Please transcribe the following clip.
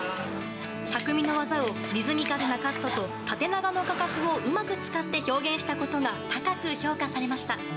匠の技をリズミカルなカットと縦長の画角をうまく使って表現したことが高く評価されました。